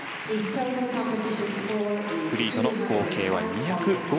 フリーとの合計は２０５．０２。